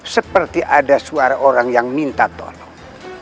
seperti ada suara orang yang minta tolong